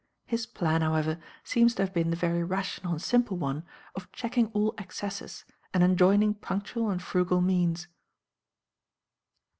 His plan, however, seems to have been the very rational and simple one of checking all excesses and enjoining punctual and frugal meals.